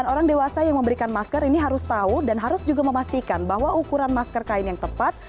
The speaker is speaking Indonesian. orang dewasa yang memberikan masker ini harus tahu dan harus juga memastikan bahwa ukuran masker kain yang tepat